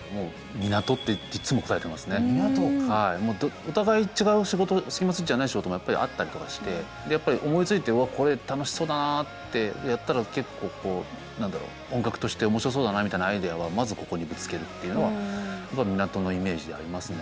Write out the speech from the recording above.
お互い違う仕事スキマスイッチじゃない仕事もやっぱりあったりとかしてやっぱり思いついてうわこれ楽しそうだなってやったら結構何だろう音楽として面白そうだなみたいなアイデアはまずここにぶつけるっていうのはやっぱり港のイメージでありますね。